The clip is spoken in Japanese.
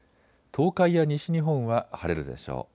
東海や西日本は晴れるでしょう。